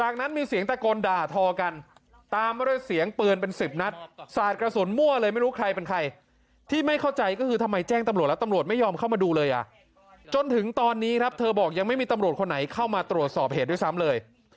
คราวนี้แบบเธอบอกยังไม่มีตำรวจคนไหนเข้ามาตรวจสอบเหตุด้วยซ้ำเลย